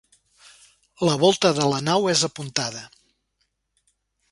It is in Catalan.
La volta de la nau és apuntada.